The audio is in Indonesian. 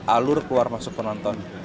alur keluar masuk penonton